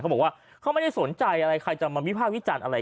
บอกว่าเขาไม่ได้สนใจอะไรใครจะมาวิภาควิจารณ์อะไร